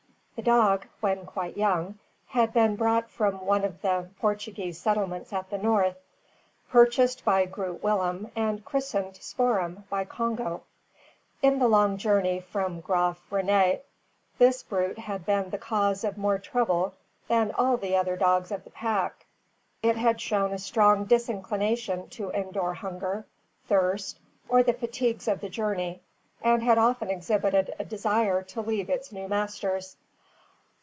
The dog, when quite young, had been brought from one of the Portuguese settlements at the north, purchased by Groot Willem and christened Spoor'em by Congo. In the long journey from Graaf Reinet, this brute had been the cause of more trouble than all the other dogs of the pack. It had shown a strong disinclination to endure hunger, thirst, or the fatigues of the journey; and had often exhibited a desire to leave its new masters.